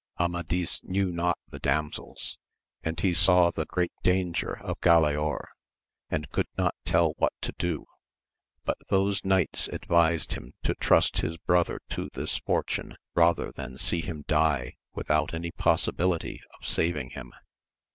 Amadis knew not the damsels, and he saw the great danger of Galaor, and could not tell what to do ; but those knights advised him to trust his brother to this fortune, rather than see him die without any possibility of saving him.